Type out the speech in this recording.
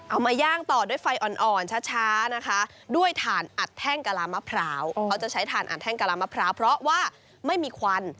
มาย่างต่อด้วยไฟอ่อนช้านะคะด้วยถ่านอัดแท่งกะลามะพร้าวเขาจะใช้ถ่านอัดแท่งกะลามะพร้าวเพราะว่าไม่มีควัน